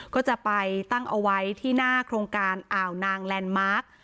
ก็จะไปตั้งเอาไว้ที่หน้าโครงการอ่าวนางแลนด์มาร์ค